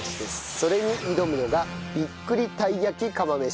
それに挑むのがびっ栗たい焼き釜飯。